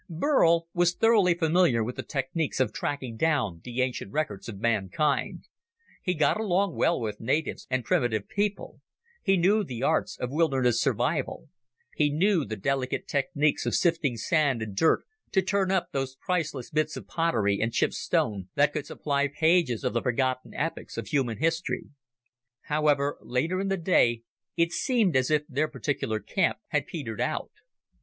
Burl was thoroughly familiar with the techniques of tracking down the ancient records of mankind. He got along well with natives and primitive people; he knew the arts of wilderness survival; he knew the delicate techniques of sifting sand and dirt to turn up those priceless bits of pottery and chipped stone that could supply pages of the forgotten epics of human history. However, later in the day it seemed as if their particular camp had petered out.